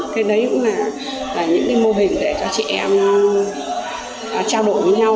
cái đấy cũng là những cái mô hình để cho chị em trao đổi với nhau